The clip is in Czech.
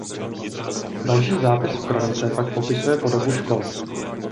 Další zápis v kronice pak popisuje podobu školy.